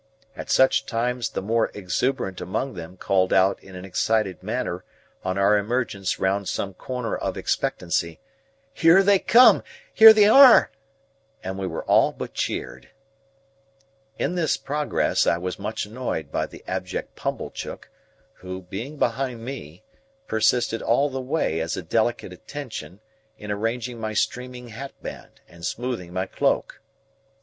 At such times the more exuberant among them called out in an excited manner on our emergence round some corner of expectancy, "Here they come!" "Here they are!" and we were all but cheered. In this progress I was much annoyed by the abject Pumblechook, who, being behind me, persisted all the way as a delicate attention in arranging my streaming hatband, and smoothing my cloak.